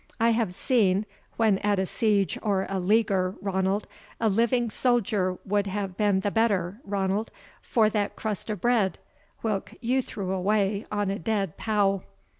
I have seen when at a siege or a leaguer, Ranald, a living soldier would have been the better, Ranald, for that crust of bread, whilk you threw away on a dead pow."